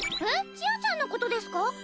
えっちあちゃんのことですか？